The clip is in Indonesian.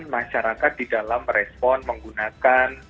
masyarakat di dalam merespon menggunakan